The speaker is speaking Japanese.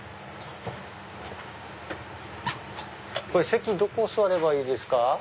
席どこ座ればいいですか？